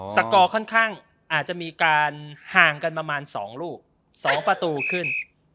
สกอร์ค่อนข้างอาจจะมีการห่างกันประมาณ๒ลูก๒ประตูขึ้น